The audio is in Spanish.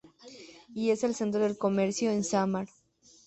Y es el centro del comercio en Samar.